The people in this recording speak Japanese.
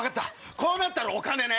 こうなったらお金ね！